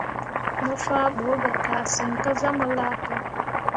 Mo faa ɓu ga sesǝŋ kah zah mu laaka.